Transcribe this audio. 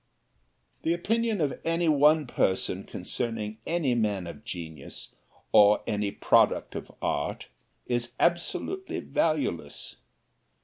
The opinion of any one person concerning any man of genius, or any product of art, is absolutely valueless.